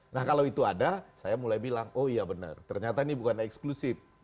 nah kalau itu ada saya mulai bilang oh iya benar ternyata ini bukan eksklusif